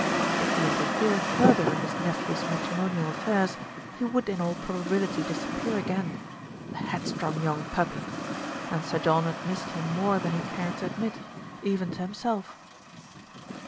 If he interfered further in his nephew's matrimonial affairs, he would in all probability disappear again, "the headstrong young puppy," and Sir John had missed him more than he cared to admit, even to him self.